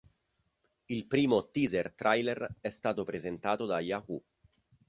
Il primo teaser trailer è stato presentato da Yahoo!